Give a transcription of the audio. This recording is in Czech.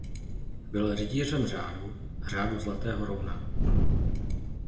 Byl Rytířem řádu Řádu zlatého rouna.